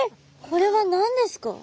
これは何ですか？